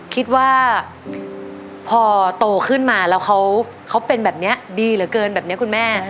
คิดว่าพอโตขึ้นมาแล้วเขาเป็นแบบนี้ดีเหลือเกินแบบนี้คุณแม่